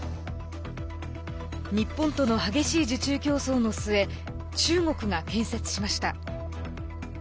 日本との激しい受注競争の末中国が建設しました。